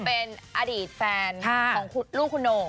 เป็นอดีตแฟนของลูกคุณโหน่ง